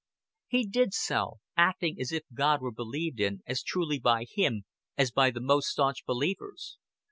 He did so, acting as if God were believed in as truly by him as by the most stanch believers.